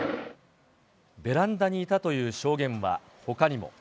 ベランダにいたという証言はほかにも。